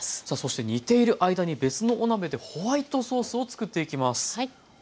さあそして煮ている間に別のお鍋でホワイトソースを作っていきます。